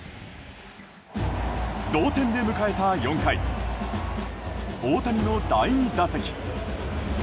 同点で迎えた４回大谷の第２打席。